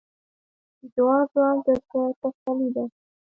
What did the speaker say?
د دعا ځواک د زړۀ تسلي ده.